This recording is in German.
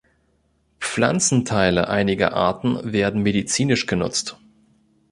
Pflanzenteile einiger Arten werden medizinisch genutzt.